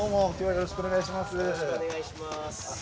よろしくお願いします。